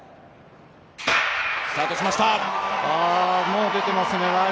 もう出ていますね